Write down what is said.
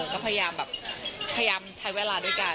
ก็พยายามแบบพยายามใช้เวลาด้วยกัน